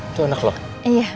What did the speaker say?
itu enak loh